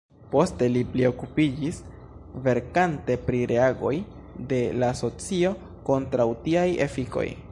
Poste li pli okupiĝis verkante pri reagoj de la socio kontraŭ tiaj efikoj.